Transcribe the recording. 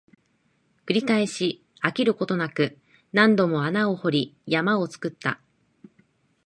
繰り返し、飽きることなく、何度も穴を掘り、山を作った